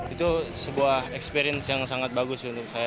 itu sebuah experience yang sangat bagus untuk saya